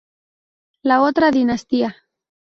La otra dinastía.